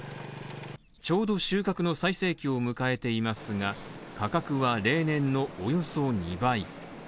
ちょうど収穫の最盛期を迎えていますが、価格は例年のおよそ２倍。